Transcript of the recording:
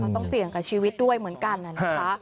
ต้องเสี่ยงกับชีวิตด้วยเหมือนกันนะคะ